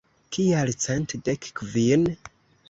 Kial cent dek kvin?